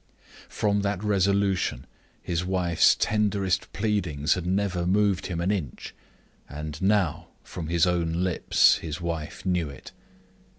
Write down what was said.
From that resolution, his wife's tenderest pleadings had never moved him an inch and now, from his own lips, his wife knew it.